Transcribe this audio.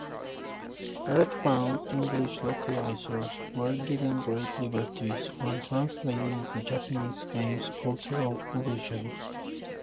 "EarthBound" English localizers were given great liberties when translating the Japanese game's cultural allusions.